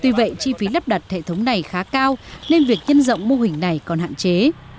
tuy vậy chi phí lắp đặt hệ thống này khá cao nên việc nhân rộng mô hình này còn hạn chế